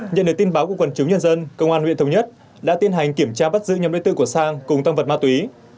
nhận được tin báo của quần chúng nhân dân công an huyện thống nhất đã tiến hành kiểm tra bắt giữ nhóm đối tư của sang cùng tăng vật ma túy